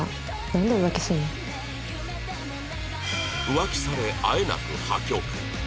浮気されあえなく破局